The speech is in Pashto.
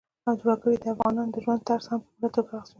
وګړي د افغانانو د ژوند طرز هم په پوره توګه اغېزمنوي.